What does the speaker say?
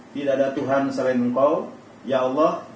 tidak ada tuhan selain engkau ya allah